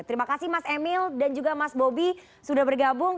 terima kasih mas emil dan juga mas bobi sudah bergabung